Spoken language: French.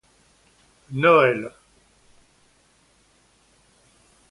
Noël!